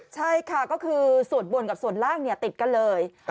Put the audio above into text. ใช่ค่ะก็คือสวดบนกับส่วนล่างติดกันเลย